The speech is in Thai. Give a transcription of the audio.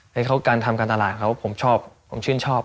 ในการการทำการตลาดของเขาผมชอบชื่นชอบ